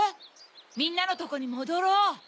みんなのとこにもどろう。